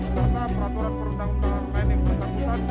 serta peraturan perundang undangan planning persatuan